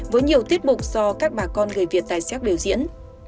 với nhiều tiết bục do các bà con người việt tại xét biểu diễn